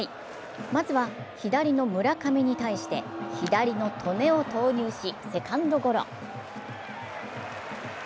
まずは左の村上に対して左の戸根を投入し、セカンドゴロ。